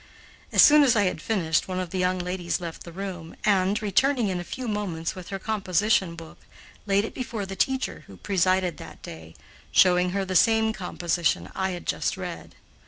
As soon as I had finished, one of the young ladies left the room and, returning in a few moments with her composition book, laid it before the teacher who presided that day, showing her the same composition I had just read.